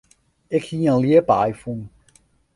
Ik hie in ljipaai fûn.